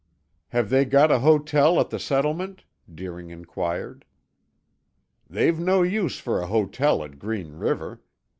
"Have they got a hotel at the settlement?" Deering inquired. "They've no use for a hotel at Green River.